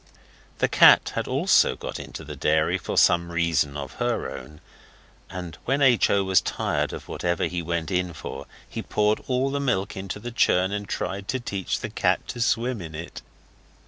The cat had also got into the dairy for some reason of her own, and when H. O. was tired of whatever he went in for he poured all the milk into the churn and tried to teach the cat to swim in it.